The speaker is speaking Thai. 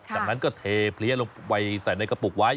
จากนั้นก็เทเพลี้ยลงไปใส่ในกระปุกไว้